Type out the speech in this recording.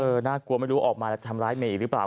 น่ากลัวไม่รู้ออกมาแล้วทำร้ายเมย์อีกหรือเปล่า